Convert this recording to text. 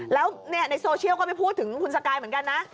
แล้วในโซเชียลก็ไปพูดถึงคุณสกายเหมือนกันนะ